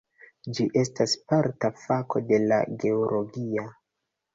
Ĝi estas parta fako de la geologio.